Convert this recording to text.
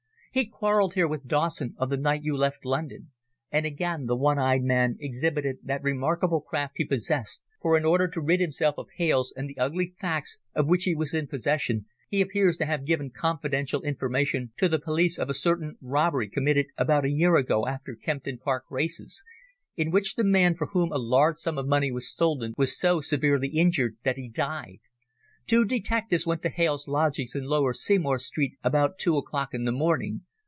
"He quarrelled here with Dawson on the night you left London, and again the one eyed man exhibited that remarkable craft he possessed, for, in order to rid himself of Hales and the ugly facts of which he was in possession, he appears to have given confidential information to the police of a certain robbery committed about a year ago after Kempton Park races, in which the man from whom a large sum of money was stolen was so severely injured that he died. Two detectives went to Hales' lodgings in Lower Seymour Street about two o'clock in the morning.